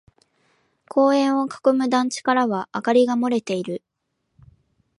公園を囲む団地からは明かりが漏れている。